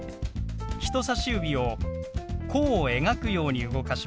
人さし指を弧を描くように動かします。